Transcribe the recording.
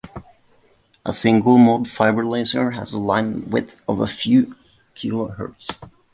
A single mode fiber laser has a linewidth of a few kHz.